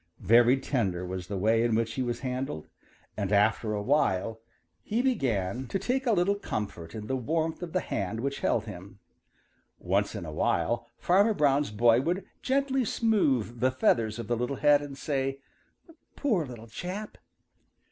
Very tender was the way in which he was handled, and after a while he began to take a little comfort in the warmth of the hand which held him. Once in a while Farmer Brown's boy would gently smooth the feathers of the little head and say, "Poor little chap."